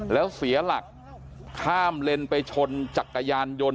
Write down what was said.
แล้วเสียหลักข้ามเลนไปชนจักรยานยนต์